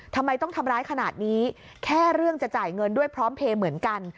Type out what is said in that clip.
ทำไมต้องทำร้ายขนาดนี้แค่เรื่องจะจ่ายเงินด้วยพร้อมเพลย์เหมือนกัน